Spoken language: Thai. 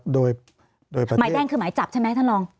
โดยหมายแจ้งคือหมายจับใช่ไหมท่านรอง